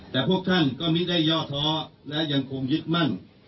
แต่พวกท่านก็ไม่ได้ย่อท้อและยังคงยึดมั่น